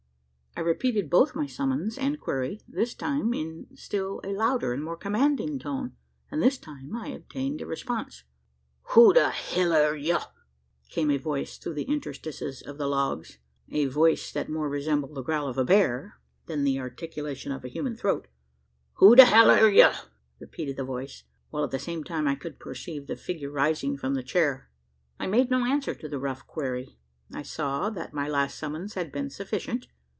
I repeated both my summons and query this time in still a louder and more commanding tone; and this time I obtained a response. "Who the hell air you?" came a voice through the interstices of the logs a voice that more resembled the growl of a bear, than the articulation of a human throat. "Who the hell air you?" repeated the voice, while at the same time, I could perceive the figure rising from the chair. I made no answer to the rough query. I saw that my last summons had been sufficient.